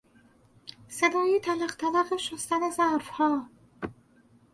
صدای تلق تلق شستن ظرفها